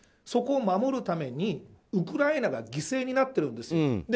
そこを守るためにウクライナが犠牲になっているんです。